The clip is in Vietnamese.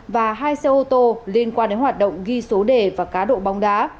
và hai xe ô tô liên quan đến hoạt động ghi số đề và cá độ bóng đá